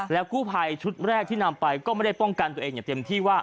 กู้ภัยชุดแรกที่นำไปก็ไม่ได้ป้องกันตัวเองอย่างเต็มที่ว่า